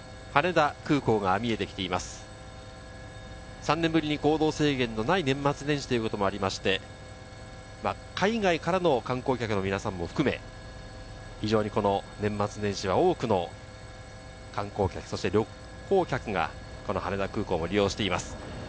３年ぶりに行動制限のない年末年始ということもありまして、海外からの観光客の皆さんも含め、非常に年末年始は、多くの観光客、そして旅行客が羽田空港を利用しています。